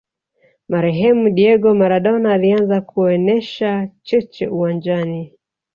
marehemu diego maradona alianza kuonesha cheche uwanjani